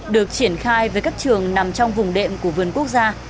được triển khai với các trường nằm trong vùng đệm của vườn quốc gia